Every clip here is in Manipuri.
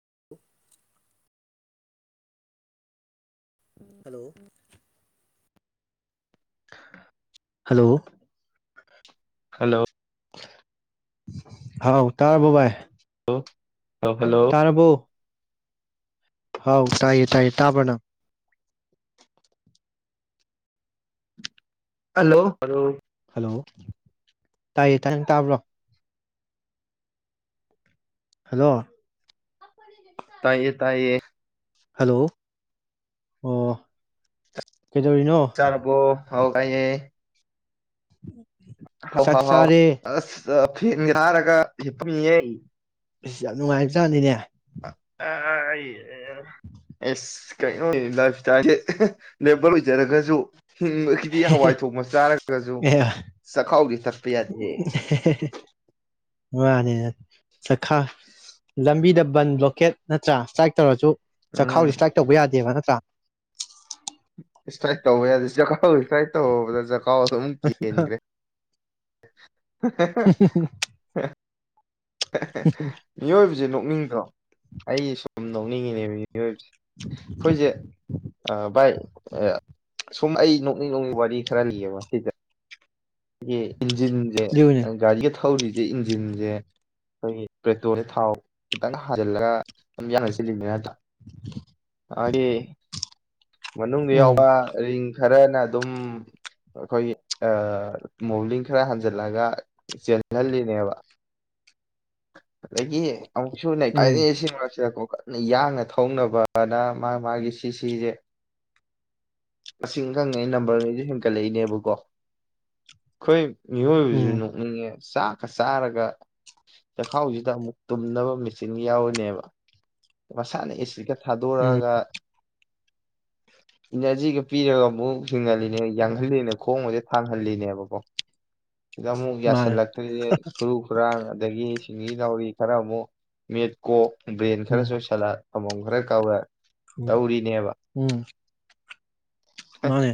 inaudible ꯍꯂꯣ ꯍꯜꯂꯣ ꯍꯜꯂꯣ ꯍꯥꯎ ꯇꯥꯔꯔꯕꯣꯕꯥꯥꯏ inaudible ꯇꯥꯔꯔꯕꯣ ꯍꯥꯎ ꯇꯥꯏꯌꯦ ꯇꯥꯏꯌꯦ ꯇꯥꯕꯅ ꯍꯜꯂꯣ ꯍꯂꯣ ꯍꯜꯂꯣ ꯇꯥꯏꯌꯦ ꯇꯥꯏꯌꯦ ꯇꯥꯕ꯭ꯔꯣ ꯍꯜꯂꯣ ꯇꯥꯏꯌꯦ ꯇꯥꯏꯌꯦ ꯍꯦꯜꯂꯣ ꯑꯣ ꯀꯩꯗꯧꯔꯤꯅꯣ ꯍ ꯀꯥꯏꯌꯦ ꯁꯛꯁꯥꯔꯦ ꯐꯦꯟ ꯇꯥꯔꯒ ꯍꯞꯄꯤꯌꯦ ꯑꯁ ꯌꯥꯝ ꯅꯨꯡꯉꯥꯏꯔ ꯆꯥꯅꯤꯅꯦ ꯑꯩ ꯑꯦꯁ ꯀꯩꯅꯣ ꯂꯥꯏ ꯏꯁꯇꯥꯏꯜꯁꯦ ꯂꯦꯕꯔ ꯑꯣꯏꯖꯔꯒꯁꯨ ꯍꯤꯡꯕꯒꯤꯗꯤ ꯍꯋꯥꯏ ꯊꯣꯡꯕ ꯆꯥꯔꯒꯁꯨ ꯆꯈꯥꯎꯗꯤ ꯇꯛꯄ ꯌꯥꯗꯦ ꯃꯥꯅꯤꯅꯦ ꯆꯈꯥ ꯂꯝꯕꯤꯗ ꯕꯟ ꯕ꯭ꯂꯣꯀꯦꯠ ꯅꯠꯇ꯭ꯔꯥ ꯏꯁꯇ꯭ꯔꯥꯏꯛ ꯇꯧꯔꯁꯨ ꯆꯈꯥꯎꯔꯤ ꯎꯝ ꯏꯁꯇ꯭ꯔꯥꯏꯛ ꯇꯧꯕ ꯌꯥꯗꯦꯕ ꯅ ꯀ ꯏꯁꯥꯏꯠ ꯇꯧꯕ ꯌꯥꯗꯦ ꯖ ꯏꯁꯥꯏꯠ ꯇꯧꯧꯕꯗꯖ ꯀꯥꯎꯗ ꯑꯃꯨꯛ ꯀꯦꯟꯈ꯭ꯔꯦ ꯃꯤꯑꯣꯏꯕꯁꯦ ꯅꯣꯛꯅꯤꯡꯗ꯭ꯔꯣ ꯑꯩ ꯁꯣꯝ ꯂꯧꯅꯤꯒꯤꯅꯦ ꯑꯩꯈꯣꯏꯁꯦ ꯚꯥꯏ ꯁꯨꯝ ꯑꯩ ꯅ ꯅꯣꯡꯃꯒꯤ ꯋꯥꯔꯤ ꯈꯔꯅꯤꯑꯕ ꯁꯤꯗ ꯌꯦ ꯏꯟꯖꯤꯟꯁꯦ ꯑꯗꯨꯒꯤꯅꯦ ꯒꯥꯔꯤꯒ ꯊꯧꯔꯤꯁꯦ ꯁꯤ ꯏꯟꯖꯤꯟꯁꯦ ꯑꯩꯈꯣꯏꯒꯤ ꯄꯦꯇ꯭ꯔꯣꯜꯁꯦ ꯊꯥꯎ ꯈꯤꯇꯪ ꯍꯥꯖꯤꯜꯂꯒ ꯑꯗꯨꯝ ꯌꯥꯅꯁꯤꯜꯂꯤꯅꯤ ꯑ ꯃꯅꯨꯡꯗ ꯎꯝ ꯌꯥꯎꯕ ꯔꯤꯡ ꯈꯔꯅ ꯑꯗꯨꯝ ꯑꯩꯈꯣꯏꯒꯤ ꯑ ꯃꯣꯕꯂꯤꯟ ꯈꯔ ꯍꯟꯖꯤꯜꯂꯒ ꯆꯦꯜꯍꯜꯂꯤꯅꯦꯕ ꯑꯗꯒꯤ ꯑꯃꯨꯛꯁꯨ ꯎꯝ ꯅꯩꯈꯥꯔꯛꯏ ꯁꯤ ꯃꯔꯛꯁꯤꯗꯀꯣ ꯀꯟꯅ ꯌꯥꯡꯅ ꯊꯧꯅꯕꯅ ꯃꯥ ꯃꯥꯒꯤ ꯁꯤꯁꯤꯖꯦ꯫ ꯃꯁꯤꯡ ꯈꯪꯉꯩ ꯅꯝꯕꯔꯒꯩꯖꯦ ꯍꯦꯟꯀꯠꯂꯛꯏꯅꯦꯕꯀꯣ ꯑꯩꯈꯣꯏ ꯎꯝ ꯃꯤꯑꯣꯏꯕꯖꯤꯖꯨ ꯅꯣꯛꯅꯤꯡꯉꯦ ꯆꯥꯛꯀ ꯆꯥꯔꯒ ꯆꯈꯥꯎꯖꯤꯗ ꯑꯃꯨꯛ ꯇꯨꯝꯅꯕ ꯃꯦꯆꯤꯟꯒ ꯌꯥꯎꯔꯤꯅꯦꯕ꯫ ꯃꯁꯥꯅ ꯑꯦꯁꯤꯒ ꯎꯝ ꯊꯥꯗꯣꯔꯛꯑꯒ ꯏꯅꯔꯖꯤꯒ ꯄꯤꯔꯒ ꯑꯃꯨꯛ ꯍꯤꯡꯍꯜꯂꯤꯅꯦ ꯌꯥꯡꯍꯜꯂꯤꯅꯦ ꯈꯣꯡꯒꯁꯦ ꯊꯥꯡꯍꯜꯂꯤꯅꯦꯕꯀꯣ꯫ ꯁꯤꯗ ꯑꯃꯨꯛ ꯃꯥꯅꯦ ꯌꯥꯁꯜꯂꯛꯇ꯭ꯔꯤꯖꯦ ꯈꯨꯔꯨ ꯈꯨꯔꯥꯡ꯫ ꯑꯗꯒꯤ ꯁꯤꯡꯂꯤ ꯅꯥꯎꯔꯤ ꯈꯔ ꯑꯃꯨꯛ ꯃꯤꯠ ꯀꯣ ꯕ꯭ꯔꯦꯟ ꯎꯝ ꯈꯔꯁꯨ ꯁꯂꯥꯠ ꯑꯃꯣꯝ ꯈꯔ ꯀꯥꯎꯔ ꯎꯝ ꯇꯧꯔꯤꯅꯦꯕ ꯎꯝ ꯃꯥꯅꯦ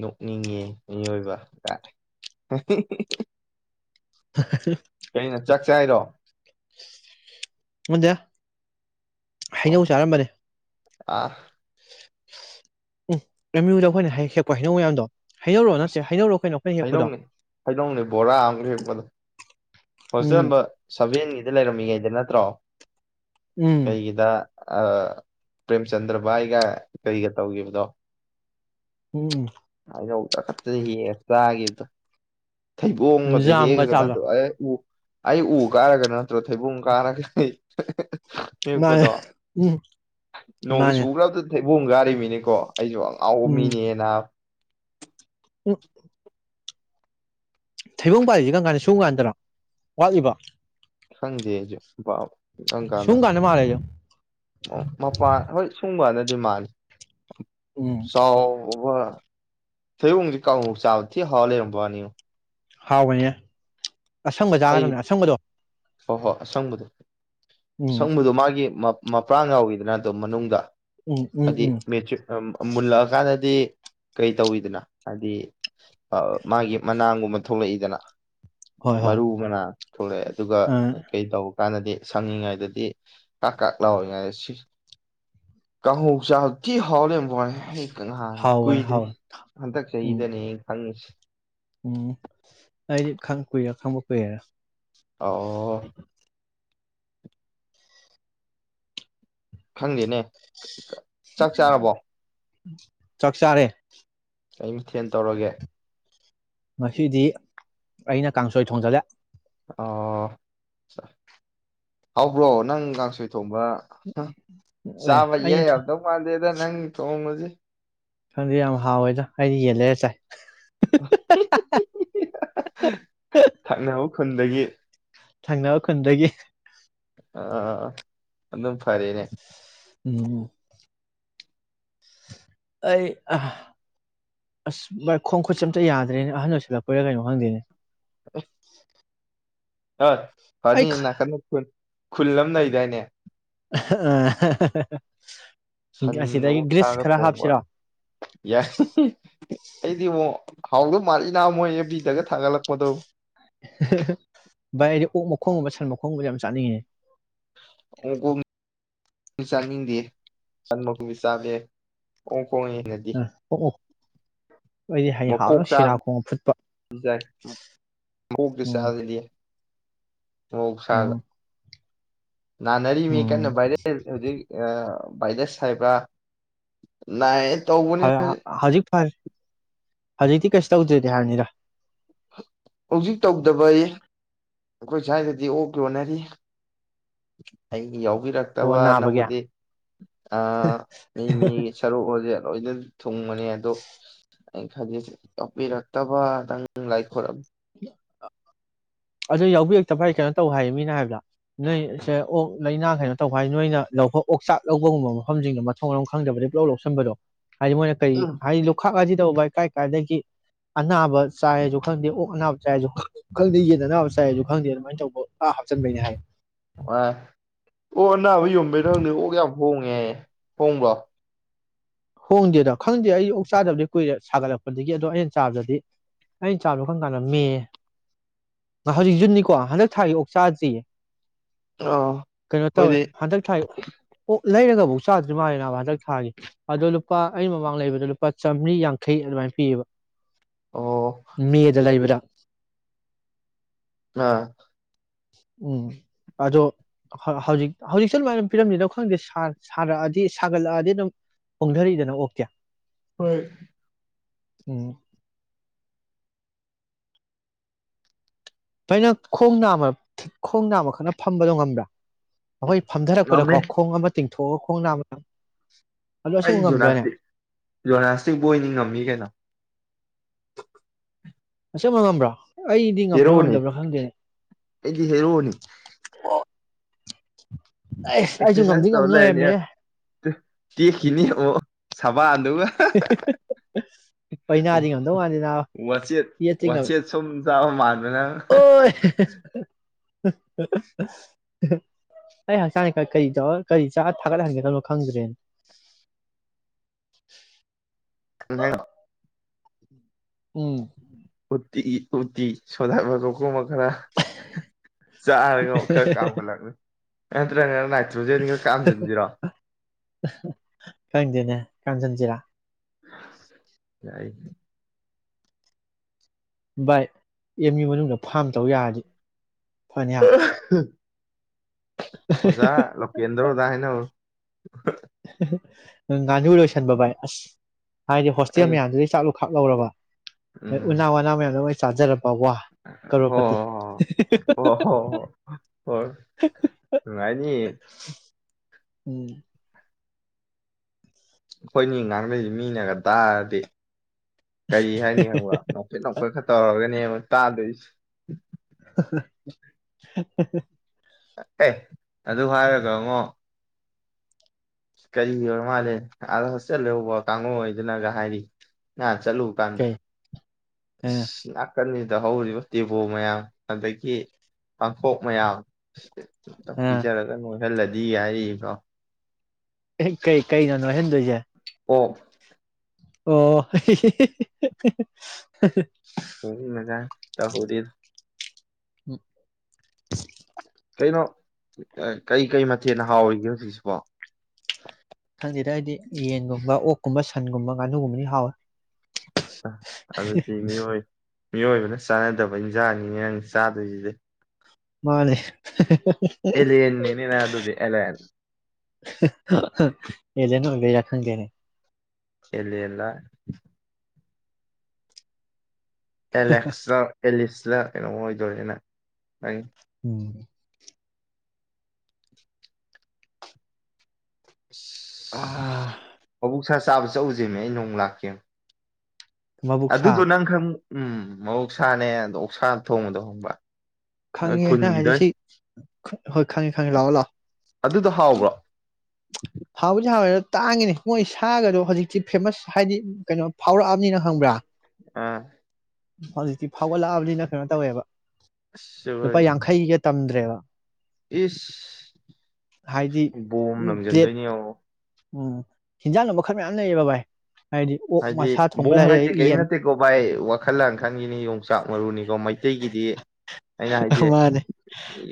ꯅꯣꯛꯅꯤꯡꯉꯦ ꯃꯤꯑꯣꯏꯕ ꯇꯥꯏ ꯀꯩꯅꯣ ꯆꯥꯛ ꯆꯥꯏꯔꯣ [unintelligible] ꯑꯣ ꯍꯩꯅꯧ ꯆꯥꯔꯝꯕꯅꯤ꯫ ꯑꯥ꯫ ꯎꯝ ꯑꯦꯝ ꯌꯨꯗ ꯑꯩꯈꯣꯏꯅ ꯍꯩ ꯍꯦꯛꯄ ꯍꯩꯅꯧ ꯃꯌꯥꯝꯗꯣ ꯍꯩꯅꯧꯔꯣ ꯅꯠꯇꯦ ꯑꯁ ꯍꯩꯅꯧꯔꯣ ꯀꯩꯅꯣ ꯑꯩꯈꯣꯏꯅ ꯍꯦꯛꯄꯗꯣ ꯍꯩꯅꯧꯅꯦ ꯍꯩꯅꯧꯅꯦ ꯕꯣꯔꯥ ꯑꯃ ꯍꯦꯛꯄꯗꯣ꯫ ꯍꯣꯁꯇꯦꯜ ꯎꯝ ꯅꯝꯕꯔ ꯁꯕꯦꯟꯒꯤꯗ ꯂꯩꯔꯝ ꯉꯩꯗ ꯅꯠꯇ꯭ꯔꯣ꯫ ꯎꯝ ꯀꯩꯒꯤꯗ ꯑ ꯄꯔꯦꯝꯆꯟꯗ꯭ꯔ ꯕꯥꯏꯒ ꯀꯩꯒ ꯇꯧꯒꯤꯕꯗꯣ꯫ ꯎꯝ꯫ ꯍꯩꯅꯧ ꯇꯈꯠꯇꯅ ꯍꯦꯛꯑ ꯆꯥꯒꯤꯕꯗꯣ꯫ ꯎꯝ ꯊꯩꯕꯣꯡꯒꯖꯦ ꯖꯥꯝꯒ ꯍꯦꯛꯉꯒ ꯆꯥꯕꯗꯣ [unintelligible] ꯑꯩ ꯎꯨ ꯀꯥꯔꯒ ꯅꯠ ꯇꯣ ꯊꯩꯕꯣꯡ ꯀꯥꯔꯒ ꯀꯩ ꯃꯥꯅꯦ ꯍꯦꯛꯄꯗꯣ ꯎꯝ ꯅꯣꯡ ꯃꯥꯅꯦ ꯆꯨꯒꯔꯕꯗꯨꯗꯩ ꯕꯨꯡꯒꯥꯔꯤ ꯃꯤꯅꯤꯀꯣ꯫ ꯑꯩꯖꯨ ꯑꯉꯥꯎꯕ ꯎꯝ ꯃꯤꯅꯤꯅꯥꯕ꯫ [inaudible] ꯊꯩꯕꯣꯡ ꯄꯥꯜ ꯂꯤꯖꯤ ꯀꯔꯝ ꯀꯥꯟꯗꯅꯣ ꯁꯨꯝ ꯀꯥꯟꯗ꯭ꯔꯣ ꯋꯥꯠꯂꯤꯕꯣ꯫ ꯈꯪꯗꯦ ꯑꯩꯖꯨ꯫ ꯀꯪꯀꯥꯟꯗ ꯁꯨꯝ ꯀꯥꯟꯗ ꯃꯥꯜꯂꯦꯁꯦ ꯃꯄꯥꯟ ꯍꯣꯏ ꯁꯨꯝꯀꯥꯟ ꯃꯥꯜꯂꯤ꯫ ꯎꯝ ꯆꯥꯎ ꯑꯣꯕ ꯊꯩꯕꯣꯡꯖꯤ ꯀꯥꯡꯍꯧ ꯆꯥꯕ ꯊꯤ ꯍꯥꯎ ꯂꯩꯔꯝꯕꯋꯅꯤꯉꯣ꯫ ꯍꯥꯎꯕꯅꯦ꯫ ꯑꯁꯪꯕ ꯑꯩ ꯆꯥꯒꯗꯕꯅꯦ ꯑꯁꯪꯕꯗꯣ ꯍꯣ ꯍꯣꯏ ꯑꯁꯪꯕꯗꯣ, ꯎꯝ ꯑꯁꯪꯕꯗꯣ ꯃꯥꯒꯤ ꯃꯄ꯭ꯔꯥꯟ ꯌꯥꯎ ꯏꯗꯅ ꯑꯗꯣ ꯃꯅꯨꯡꯗ ꯎꯝ ꯎꯝ ꯑꯗꯤ ꯎꯝ ꯃꯦꯆ ꯃꯨꯜꯂꯛꯀꯟꯗ ꯗꯤ ꯀꯩ ꯇꯧꯋꯤꯗꯅ ꯍꯥꯏꯗꯤ ꯃꯥꯒꯤ ꯃꯅꯥꯡꯒꯨꯝꯕ ꯊꯣꯛꯂꯛꯏꯗꯅ꯫ ꯍꯣꯏ ꯍꯣꯏ ꯃꯔꯨ ꯃꯅꯥ ꯊꯣꯛꯂꯛꯑꯦ ꯑꯗꯨꯒ ꯑ ꯀꯩ ꯇꯧꯕ ꯍꯥꯟꯅꯗꯤ ꯁꯪꯉꯤꯉꯩꯗꯗꯤ ꯀꯥꯛ - ꯀꯥꯛ ꯂꯥꯎꯔꯤꯉꯩꯗ ꯀꯥꯡꯍꯧ ꯆꯥ ꯊꯤ ꯍꯥꯎ ꯂꯩꯔꯝ ꯍꯣꯏ [unintelligible] ꯍꯥꯎꯕꯅꯦ ꯀꯨꯏꯗ꯭ꯔꯤ ꯍꯥꯎꯕꯅꯦ ꯍꯟꯗꯛ ꯎꯝ ꯆꯍꯤꯗꯅꯦ ꯑꯩꯅ ꯈꯪꯉꯤꯁꯤ꯫ ꯎꯝ ꯑꯩꯗꯤ ꯈꯪ ꯀꯨꯏꯔꯦ ꯈꯪꯕ ꯀꯨꯏꯔꯦꯗ꯫ ꯑꯣ꯫ ꯈꯪꯗꯦꯅꯦ꯫ ꯆꯥꯛ ꯆꯥꯔꯕꯣ [unintelligible] ꯆꯥꯛ ꯆꯥꯔꯦ꯫ ꯀꯩ ꯃꯊꯦꯜ ꯇꯧꯔꯒꯦ? ꯉꯁꯤꯗꯤ ꯑꯩꯅ ꯀꯥꯡꯁꯣꯏ ꯊꯣꯡꯖꯜꯂꯦ꯫ ꯑꯣ ꯍꯥꯎꯕ꯭ꯔꯣ ꯅꯪ ꯀꯥꯡꯁꯣꯏ ꯊꯣꯡꯕ ꯑꯦ ꯆꯥꯕ ꯏꯌꯥ ꯑꯩꯅ ꯌꯥꯔꯝꯗꯧ ꯃꯥꯥꯟꯗꯦꯗ ꯅꯪ ꯊꯣꯡꯕꯖꯦ꯫ [inaudible] ꯈꯪꯗꯦ ꯌꯥꯝ ꯍꯥꯎꯋꯦꯗ ꯑꯩꯗꯤ ꯌꯦꯟ ꯂꯩꯔꯥ ꯆꯥꯏ꯫ [unintelligible] ꯈꯨꯟꯗꯒꯤ꯫ ꯊꯪꯅꯕ ꯈꯨꯟꯗꯒꯤ꯫ ꯑ ꯑꯗꯨꯝ ꯐꯔꯦꯅꯦ꯫ ꯎꯝ꯫ ꯑꯩ ꯑꯁ ꯚꯥꯏ ꯈꯣꯡ - ꯈꯨꯠꯁꯦ ꯑꯝꯇ ꯌꯥꯗ꯭ꯔꯦꯅꯦ ꯑꯍꯟ ꯑꯣꯏꯁꯤꯜꯂꯛꯄꯩꯔꯥ ꯀꯩꯅꯣ ꯈꯪꯗꯦꯅꯦ꯫ [unintelligible] [unintelligible] ꯐꯅꯤ ꯑꯩ ꯅꯥꯀꯥꯟ ꯅ ꯈꯨꯜ ꯑꯃ ꯂꯩꯗꯥꯏꯅꯦ? ꯑ ꯁꯟ ꯑꯁꯤꯗꯒꯤ ꯒ꯭ꯔꯤꯁ ꯑꯣꯛꯁꯥꯒ ꯈꯔ ꯊꯣꯡꯕ ꯍꯥꯞꯁꯤꯔꯣ ꯌꯥꯏ꯫ ꯑꯩꯗꯤ ꯑꯃꯨꯛ ꯍꯥꯎꯗꯧ ꯃꯥꯜꯂꯤ ꯅꯥ ꯃꯣꯏ ꯑꯦ ꯕꯤꯗꯒ ꯊꯥꯒꯠꯂꯛꯄꯗꯣ꯫ ꯚꯥꯏ ꯑꯩꯗꯤ ꯑꯣꯛ ꯃꯈꯣꯡꯒꯨꯝꯕ ꯁꯟ ꯃꯈꯣꯡꯒꯨꯝꯕ ꯌꯥꯝ ꯆꯅꯤꯡꯉꯦ꯫ ꯑꯣ [unintelligible] ꯆꯅꯤꯡꯗꯑꯦ ꯁꯟ ꯃꯈꯣꯡꯗꯤ ꯆꯥꯕꯥ ꯌꯥꯏ꯫ [unintelligible] ꯅꯗꯤ ꯑ ꯑꯣꯛ ꯑꯩꯗꯤ ꯍꯌꯦꯡ ꯃꯀꯣꯛ ꯍꯥꯎꯅ ꯆꯥꯕ ꯁꯤꯔꯥ ꯈꯣꯡꯉ ꯐꯨꯠꯄ [unintelligible] ꯃꯀꯣꯛꯇ ꯎꯝ ꯆꯥꯗꯗꯤ ꯌꯥꯏ ꯎꯝ [unintelligible] ꯅꯥꯅꯔꯤ ꯃꯤ ꯎꯝ ꯀꯟꯅ ꯚꯥꯏꯔꯦꯜ ꯑꯗꯒꯤ ꯑꯥ ꯕꯥꯏꯗꯁ ꯍꯥꯏꯕ꯭ꯔꯥ ꯅꯥꯏꯟ ꯍ ꯍꯧꯖꯤꯛ ꯐꯔꯦ ꯍꯧꯖꯤꯛꯇꯤ ꯀꯩꯁꯨ ꯇꯧꯗ꯭ꯔꯦꯗꯤ ꯍꯥꯏꯕꯅꯤꯗ ꯍꯧꯖꯤꯛ ꯇꯧꯗꯕꯌꯦ ꯑꯈꯣꯏ ꯁ꯭ꯋꯥꯏꯗꯗꯤ ꯑꯣꯛ ꯌꯣꯟꯅꯔꯤ ꯑꯩ ꯑꯣ ꯅꯥꯕꯒꯤ ꯌꯥꯎꯕꯤꯔꯛꯇꯕꯅꯕꯨꯗꯤ ꯑꯥ ꯃꯤ ꯃꯤ ꯁꯔꯨꯛꯍꯨꯖꯦ ꯂꯣꯏꯅ ꯊꯨꯡꯕꯅꯦ ꯑꯗꯣ ꯑꯩ ꯈꯜꯂꯤꯖꯦ ꯌꯥꯎꯄꯤꯔꯛꯇꯕꯗꯪ ꯂꯥꯏ ꯈꯣꯔꯝ ꯑꯗꯨ ꯌꯥꯎꯕꯤꯔꯛꯇ ꯐꯩ ꯀꯩꯅꯣ ꯇꯧ ꯍꯥꯏ ꯃꯤꯅ ꯍꯥꯏꯕꯗ ꯅꯣꯏꯁꯦ ꯑꯣꯛ ꯂꯥꯏꯅꯥ ꯀꯩꯅꯣ ꯇꯧꯕ ꯍꯥꯏ ꯅꯣꯏꯅ ꯂ ꯑꯣꯛ ꯆꯥꯛ ꯂꯧꯕꯒꯨꯝꯕ ꯃꯐꯝꯁꯤꯡꯗ ꯃꯊꯣꯡ ꯑꯃꯝ ꯈꯪꯗꯕꯗꯤ ꯄꯨꯂ ꯂꯧ ꯂꯧꯁꯤꯟꯕꯗꯣ ꯍꯥꯏ ꯃꯣꯏꯅ ꯀꯔꯤ ꯍꯥꯏ ꯂꯨꯈꯛ ꯍꯥꯏꯗꯤ ꯇꯧꯕ ꯀꯥꯏ ꯀꯥꯏꯗꯒꯤ ꯑꯅꯥꯕ ꯆꯥꯏꯁꯨ ꯈꯪꯗꯦ ꯑꯣꯛ ꯑꯅꯥꯕ ꯆꯥꯏꯁꯨ ꯈꯪꯗꯦ [unintelligible] ꯆꯥꯏ ꯍꯥꯏꯁꯨ ꯈꯪꯗꯦ ꯑꯗꯨꯃꯥꯏꯅ ꯇꯧꯕ ꯑꯥ ꯆꯟꯕꯩꯅꯤ ꯍꯥꯏ ꯑ ꯑꯣꯛ ꯑꯅꯥꯕ ꯌꯣꯟꯕꯩꯩꯔ ꯈꯪꯗꯦ ꯑꯣꯛ ꯌꯥꯝ ꯍꯣꯡꯉꯦ ꯍꯥꯏ ꯍꯣꯡꯕ꯭ꯔꯣ ꯍꯣꯡꯗꯦꯗ ꯈꯪꯗꯦ ꯑꯩ ꯑꯣꯛ ꯆꯥꯗꯕꯗꯤ ꯀꯨꯏꯔꯦ ꯁꯥꯒꯠꯂꯛꯄꯗꯒꯤ ꯑꯗꯣ ꯑꯩꯅ ꯆꯥꯕꯗꯗꯤ ꯑꯩꯅ ꯆꯥꯕꯗꯣ ꯀꯔꯝꯀꯥꯟꯗꯅꯣ ꯃꯦ ꯍꯧꯖꯤꯛ ꯖꯨꯟꯅꯤꯀꯣ ꯍꯟꯗꯛ ꯊꯥꯒꯤ ꯑꯣꯛ ꯆꯥꯗ꯭ꯔꯤꯌꯦ ꯑꯥ ꯀꯩꯅꯣ ꯇꯧꯋꯦ ꯑꯩꯈꯣꯏꯗꯤ ꯍꯟꯗꯛ ꯊꯥꯏ ꯑꯣꯛ ꯂꯩꯔꯒꯕꯨꯛ ꯆꯥꯗ꯭ꯔꯤ ꯃꯥꯂꯦ ꯅꯥꯕ ꯍꯟꯗꯛ ꯊꯥꯒꯤ ꯑꯗꯣ ꯂꯨꯄꯥ ꯑꯩꯅ ꯃꯃꯥꯡ ꯂꯩꯕꯗ ꯂꯨꯄꯥ ꯆꯥꯝꯔꯤ ꯌꯥꯡꯈꯩ ꯑꯗꯨꯃꯥꯏꯅ ꯄꯤꯌꯦꯕ ꯑꯣ ꯃꯦ ꯗ ꯂꯩꯕꯗ [unintelligible] ꯑꯥ ꯎꯝ ꯑꯗꯣ ꯍꯧꯖꯤꯛ ꯍꯧꯖꯤꯛꯁꯨ ꯑꯗꯨꯃꯥꯏꯅ ꯄꯤꯔꯝꯅꯤꯗ ꯈꯪꯗꯦ ꯁꯥꯔꯛꯑꯗꯤ ꯁꯥꯒꯠꯂꯛꯑꯗꯤ ꯑꯗꯨꯝ ꯍꯣꯡꯗꯔꯛꯏꯗꯅ ꯑꯣꯛꯇꯤ ꯍꯣꯏ ꯎꯝ ꯕꯥꯏ ꯅꯪ ꯈꯣꯡ ꯅꯥꯝꯃ ꯈꯣꯡ ꯅꯥꯝꯃ ꯈꯛꯅ ꯐꯝꯕꯗꯣ ꯉꯝꯕ꯭ꯔꯥ ꯑꯈꯣꯏ ꯐꯝꯊꯔꯛꯄꯗꯀꯣ ꯉꯝꯃꯦ ꯈꯣꯡ ꯑꯃ ꯇꯤꯡ ꯑꯣ ꯈꯣꯡ ꯅꯥꯝꯃ ꯑꯗꯣ ꯑꯩ ꯑꯁꯦꯡꯕ ꯉꯝꯕ꯭ꯔꯥꯅꯦ ꯖꯣꯅꯥꯁꯇꯤꯛ ꯖꯣꯅꯥꯁꯇꯤꯛ ꯕꯣꯏꯅꯤ ꯉꯝꯃꯤ ꯀꯩꯅꯣ ꯑꯁꯦꯡꯕ ꯉꯝꯕ꯭ꯔꯥ ꯑꯩꯗꯤ ꯍꯦꯔꯣꯅꯤ ꯉꯝꯗꯕ꯭ꯔꯥ ꯈꯪꯗꯦꯅꯦ ꯑꯩꯗꯤ ꯍꯦꯔꯣꯅꯤ [inaudible] ꯑꯩꯁꯨ ꯑꯦꯛꯁꯔꯁꯥꯏꯖ ꯉꯝꯗꯤ ꯉꯝ ꯇꯧꯔ ꯂꯩꯔꯅꯤ ꯂꯩꯔꯝꯃꯦꯍꯦ ꯇꯨ ꯇꯦꯛꯈꯤꯅꯤ ꯑꯣ ꯁꯕꯥꯟ ꯍꯦꯍꯦꯍꯦꯍꯦ ꯄꯩꯅꯥꯗꯤ ꯉꯝꯗꯧ ꯃꯥꯥꯟꯗꯦ ꯅꯥꯕ ꯋꯥꯆꯦꯠ ꯌꯦꯠꯇ ꯉꯝ ꯋꯥꯆꯦꯠ ꯁꯨꯝ ꯆꯥꯕ ꯃꯥꯟ ꯑꯣꯏ ꯍꯦꯍꯦ ꯑꯩ ꯍꯛꯆꯥꯡꯅꯤ ꯀꯔꯤ ꯇꯧꯔ ꯀꯔꯤ ꯆꯥ ꯊꯥꯒꯠꯍꯟꯒꯗꯕꯅꯣ ꯈꯪꯗ꯭ꯔꯦꯅꯦ [unintelligible] ꯎꯝ ꯎ ꯇꯤ ꯏ ꯎꯇꯤ ꯁꯣꯗꯥ ꯕꯥꯏꯒꯞ ꯀꯨꯝꯕ ꯈꯔ ꯆꯥꯔꯒ ꯑꯃꯨꯛ ꯈꯔ ꯀꯥꯝꯈꯠꯂꯛꯅꯤ ꯅꯠꯇꯔꯒꯅ ꯅꯥꯏꯇꯔꯣꯖꯦꯟ ꯈꯔ ꯀꯥꯝꯖꯤꯟꯖꯤꯔꯣ? ꯈꯪꯗꯦꯅꯦ ꯀꯥꯝꯖꯟꯖꯤꯔꯥ ꯌꯥꯏ ꯚꯥꯏ ꯑꯦꯝ ꯌꯨ ꯃꯅꯨꯡꯗ ꯐꯥꯝ ꯇꯧ ꯌꯥꯔꯗꯤ ꯐꯅꯤ ꯍꯥ [unintelligible] ꯑꯣꯖꯥ ꯂꯣꯀꯦꯟꯗ꯭ꯔꯣꯗ ꯍꯥꯏꯅꯧꯋꯣ꯫ [unintelligible] [unintelligible] ꯉꯥꯅꯨ ꯂꯣꯏꯁꯟꯕ ꯚꯥꯏ ꯑꯁ ꯍꯥꯏꯗꯤ ꯍꯣꯁꯇꯦꯜ ꯎꯝ ꯃꯌꯥꯝꯗꯨꯗꯒꯤ ꯆꯥꯛꯂ ꯈꯥꯛ ꯂꯧꯔꯕ ꯎꯝ ꯎꯅꯥ ꯋꯥꯅꯥ ꯃꯌꯥꯝꯗꯣ ꯃ ꯆꯥꯖꯔ ꯄ ꯋꯥ ꯍꯣ ꯀꯔꯣꯄꯇꯤ ꯍꯣ ꯍꯣ ꯍꯣ ꯍꯣ ꯍꯣꯏ ꯅꯨꯡꯉꯥꯏꯅꯤ [unintelligible] ꯎꯝ ꯑꯈꯣꯏꯅꯤ ꯉꯥꯡꯅꯩꯖꯦ ꯃꯤꯅꯒ ꯇꯥꯔꯗꯤ ꯀꯔꯤ ꯍꯥꯏꯅꯤ ꯍꯥꯏꯕ ꯅꯣꯛꯐꯦꯠ ꯅꯣꯛꯐꯦꯠ ꯈꯔ ꯇꯧꯔꯒꯅꯦꯕ ꯇꯥꯗꯣꯏꯁꯦ [unintelligible] ꯑꯦ ꯑꯗꯨ ꯍꯥꯏꯔꯒꯉꯣ ꯀꯔꯤꯒꯤ ꯑꯣꯏ ꯃꯥꯜꯂꯦ ꯑꯥꯗ ꯍꯣꯏꯇꯦꯜ ꯂꯩꯍꯧꯕ ꯀꯥꯡꯉꯨ ꯉꯩꯗꯨꯅꯒ ꯍꯥꯏꯔꯤ ꯉ ꯆꯠꯂꯨꯕꯀꯥꯟꯗ ꯀꯩ ꯑ ꯑꯁ ꯂꯥꯛ ꯅꯥꯀꯟꯖꯤꯗ ꯍꯧꯔꯤꯕ ꯇꯦꯕꯣ ꯃꯌꯥꯝ ꯑꯗꯒꯤ ꯄꯥꯡꯈꯣꯛ ꯃꯌꯥꯝ ꯑ ꯄꯤꯖꯔꯒ ꯅꯣꯏ ꯈꯜꯂꯗꯤ ꯌꯥꯌꯤ ꯏꯗꯣ ꯀꯩ ꯀꯩ ꯀꯩꯅꯣ ꯅꯣꯢꯍꯟꯗꯣꯢꯁꯦ ꯑꯣ ꯑꯣ [unintelligible] [unintelligible] ꯃꯖꯥ ꯇꯍꯧꯗꯤꯟ ꯎ ꯊꯦꯟꯅ ꯍꯥꯎꯔꯤꯒꯦ ꯍꯧꯖꯤꯛꯁꯤꯕꯣ ꯁꯤꯗ ꯍꯥꯏꯗꯤ ꯌꯦꯟꯒꯨꯝꯕ ꯑꯣꯛꯀꯨꯝꯕ ꯁꯟꯒꯨꯝꯕ ꯉꯥꯅꯨꯒꯨꯝꯕꯅꯤ ꯍꯥꯎꯋꯦ ꯑꯗꯨꯗꯤ ꯃꯤꯑꯣꯏ ꯃꯤꯑꯣꯏꯕꯅ ꯆꯥꯟꯅꯗꯕ ꯏꯟꯖꯥꯡꯅꯤꯅꯦ ꯅꯪ ꯆꯥꯗꯣꯏꯁꯤꯗꯤ ꯃꯥꯅꯦ ꯑꯦꯂꯦꯟꯅꯤꯅꯦ ꯅꯪ ꯑꯗꯨꯗꯤ ꯑꯦꯂꯦꯟ ꯑꯦꯂꯦꯟ ꯑꯣꯏꯕꯩꯔ ꯈꯪꯗꯦꯅꯦ ꯑꯦꯂꯦꯟꯂ ꯑꯦꯂꯦꯛꯁꯥ ꯑꯦꯂꯤꯁ ꯗ ꯀꯩꯅꯣꯝ ꯑꯣꯏꯗꯣꯏꯅꯤꯅ ꯅꯩ ꯎꯝ ꯑꯧꯕꯨꯛꯁꯥꯁꯦ ꯆꯥꯕ ꯆꯠꯂꯨꯁꯦꯃꯦ ꯑꯩ ꯅꯣꯡꯃ ꯂꯥꯛꯀꯦꯃꯦ ꯑꯗꯨꯗꯣ ꯃꯕꯨꯛꯁꯥ ꯅꯪ ꯈꯪ ꯎꯝ ꯃꯍꯧꯁꯥꯅꯦ ꯑꯗꯣ ꯑꯣꯛꯁꯥ ꯊꯣꯡꯕꯗꯣ ꯈꯪꯕ꯭ꯔꯥ ꯅꯣꯏ ꯈꯪꯉꯦ ꯅꯪꯅ ꯈꯨꯟꯒꯤꯗꯣ ꯍꯥꯏꯅꯁꯦ ꯁꯤ ꯍꯣꯏ ꯈꯪꯉꯤ ꯈꯪꯉꯤ ꯂꯥꯛꯑꯣ ꯑꯗꯨꯗꯣ ꯂꯥꯛꯑꯣ ꯍꯥꯎꯕ꯭ꯔꯣ ꯍꯥꯎꯕꯨꯗꯤ ꯍꯥꯎꯋꯦꯗ ꯇꯥꯡꯉꯤꯅꯦ ꯃꯣꯏ ꯁꯥꯒꯗꯣ ꯍꯧꯖꯤꯛꯇꯤ ꯐꯦꯃꯁ ꯍꯥꯏꯗꯤ ꯀꯩꯅꯣ ꯐꯥꯎꯔꯛꯑꯕꯅꯤꯅ ꯈꯪꯕ꯭ꯔꯥ ꯑꯥ ꯍꯧꯖꯤꯛꯇꯤ ꯐꯥꯎꯒꯠꯂꯛꯑꯕꯅꯤꯅ ꯀꯩꯅꯣ ꯇꯧꯋꯦꯕ ꯑꯁ ꯑꯩꯈꯣꯏ ꯂꯨꯄꯥ ꯌꯥꯡꯈꯩꯒ ꯇꯝꯗ꯭ꯔꯦꯕ ꯍꯥꯏꯗꯤ ꯏꯁ ꯕꯣꯝ ꯄ꯭ꯂꯦꯠ ꯂꯪꯁꯤꯟꯗꯣꯏꯅꯦ ꯌꯦꯡꯉꯣ ꯎꯝ ꯍꯤꯟꯖꯥꯡꯗꯣ ꯃꯈꯜ ꯃꯌꯥꯝ ꯂꯩꯌꯦꯕ ꯚꯥꯏ ꯍꯥꯏꯗꯤ ꯑꯣꯛ ꯍꯥꯏꯗꯤ ꯃꯁꯥ ꯊꯣꯡꯕ ꯕꯣꯝ ꯂꯩꯔꯦ ꯍꯥꯏꯗꯤ ꯀꯔꯤꯝ ꯌꯦꯟ ꯅꯠꯇꯦꯀꯣ ꯚꯥꯏ ꯋꯥꯈꯜ ꯂꯥꯟ ꯈꯟꯒꯤꯅꯤ ꯌꯣꯡꯆꯥꯛ ꯃꯔꯨꯅꯤꯀꯣ ꯃꯩ ꯇꯩꯒꯤꯗꯤ ꯑꯩꯅ ꯍꯥꯏꯁꯦ ꯃꯥꯅꯦ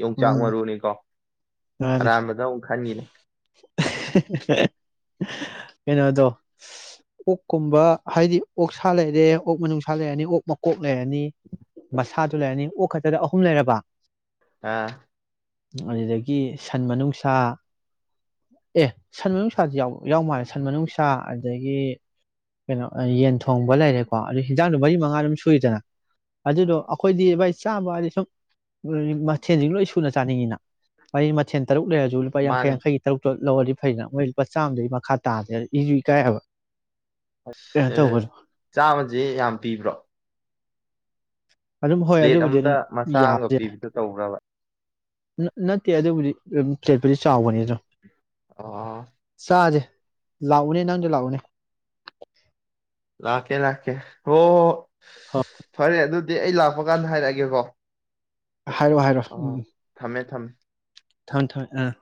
ꯌꯣꯡꯆꯥꯛ ꯎꯝ ꯃꯔꯨꯅꯤꯀꯣ ꯃꯥꯅꯦ ꯑꯔꯥꯟꯕꯗ ꯑꯃꯨꯛ ꯈꯟꯈꯤꯅꯤ ꯀꯩꯅꯣꯗꯣ ꯑꯣꯛꯀꯨꯝꯕ ꯍꯥꯏꯗꯤ ꯑꯣꯛ ꯁꯥꯥ ꯂꯩꯔꯦ ꯑꯣꯛ ꯃꯅꯨꯡꯁꯥ ꯂꯩꯔꯅꯤ ꯑꯣꯛ ꯃꯀꯣꯛ ꯂꯩꯔꯅꯤ ꯃꯁꯥꯗꯨ ꯂꯩꯔꯅꯤ ꯑꯣꯛ ꯈ ꯗ ꯑꯍꯨꯝ ꯂꯩꯔꯕ ꯑꯥ ꯑꯗꯨꯗꯒꯤ ꯁꯟ ꯃꯅꯨꯡꯁꯥ ꯑꯦ ꯁꯟ ꯃꯅꯨꯡꯁꯥꯁꯨ ꯌꯥꯎ ꯌꯥꯎ ꯃꯥꯜꯂꯦ ꯁꯟ ꯃꯅꯨꯡꯁꯥ ꯑꯗꯒꯤ ꯀꯩꯅꯣ ꯌꯦꯟ ꯊꯣꯡꯕ ꯂꯩꯔꯦꯀꯣ ꯑꯗꯨ ꯍꯤꯟꯖꯥꯡꯗꯣ ꯃꯔꯤ ꯃꯉꯥ ꯑꯗꯨꯝ ꯁꯨꯏꯗꯅ ꯑꯗꯨꯗꯣ ꯑꯈꯣꯏꯗꯤ ꯚꯥꯏ ꯆꯥꯕ ꯍꯥꯏꯗꯤ ꯁꯨꯝ ꯃꯊꯦꯜꯁꯤ ꯂꯣꯏ ꯁꯨꯅ ꯆꯥꯅꯤꯡꯉꯤꯅ ꯋꯥꯔꯤ ꯃꯊꯦꯜ ꯇꯔꯨꯛ ꯂꯩꯔꯁꯨ ꯂꯨꯄꯥ ꯌꯥꯡꯈꯩ ꯃꯥꯅꯦ ꯌꯥꯡꯈꯩꯒꯤ ꯇꯔꯨꯛꯇꯨ ꯂꯧꯔꯗꯤ ꯐꯩꯅ ꯃꯣꯏ ꯂꯨꯄꯥ ꯆꯥꯝꯃꯗꯩ ꯃꯈꯥ ꯇꯥꯗꯦ ꯏꯁꯨ ꯏꯀꯥꯏ ꯍꯥꯏꯕ ꯑꯁ ꯆꯥꯃꯁꯦ ꯌꯥꯝ ꯄꯤꯕ꯭ꯔꯣ [inaudible] ꯄ꯭ꯂꯦꯠ ꯑꯗꯨꯕꯨꯗꯤ ꯑꯃꯗ ꯑꯗꯨꯝ ꯃꯆꯥ ꯑꯃꯒ ꯌꯥꯕꯁꯦ ꯄꯤꯕꯤꯗꯨ ꯇꯧꯕ꯭ꯔꯕ ꯅꯠꯇꯦ ꯑꯗꯨꯕꯨꯗꯤ ꯑꯗꯨꯝ ꯄꯂ꯭ꯦꯠꯄꯨꯗꯤ ꯆꯥꯎꯕꯅꯤ ꯗꯨꯝ ꯑ ꯆꯖꯦ ꯂꯥꯎꯅꯦ ꯅꯪꯗ ꯂꯥꯎꯅꯦ ꯂꯥꯛꯀꯦ ꯂꯥꯛꯀꯦ ꯍꯣ ꯍꯣꯏ ꯐꯔꯦ ꯑꯗꯨ ꯗꯤ ꯑꯩ ꯂꯥꯛꯄ ꯀꯥꯟꯗ ꯍꯥꯏꯔꯛꯑꯒꯦꯀꯣ ꯍꯥꯏꯔꯛꯑꯣ ꯍꯥꯏꯔꯣ ꯎꯝ ꯑꯣ ꯊꯝꯃꯦ ꯊꯝꯃꯦ ꯊꯝ ꯊꯝ ꯑꯝ